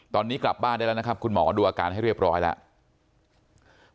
ตอนนี้กลับบ้านได้แล้วนะครับคุณหมอดูอาการให้เรียบร้อยแล้ว